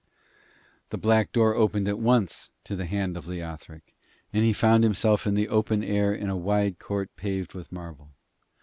The black door opened at once to the hand of Leothric, and he found himself in the open air in a wide court paved with marble.